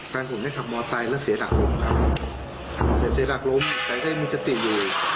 แฟนผมได้ขับมอเตอร์ไซด์แล้วเสียดักล้มครับเสียดักล้มแต่ได้มือจัตริย์อยู่